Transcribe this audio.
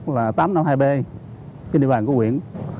tám năm hai b trên địa bàn của huyện